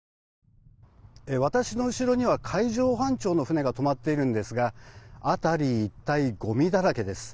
私の後ろには海上保安庁の船が泊まっているんですが辺り一帯ごみだらけです。